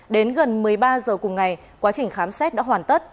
đến gần một mươi ba h cùng ngày quá trình khám xét đã hoàn tất